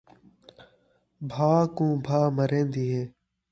بھاء کوں بھاء مریندی ہے